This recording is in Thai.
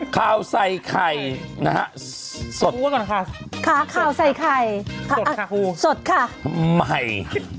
ข่าวใส่ไข่นะฮะสดค่ะข่าวใส่ไข่สดค่ะครูสดค่ะใหม่